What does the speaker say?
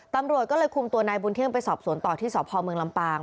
ตำรวจก็เลยคุมตัวนายบุญเที่ยงไปสอบสวนต่อที่สพเมืองลำปาง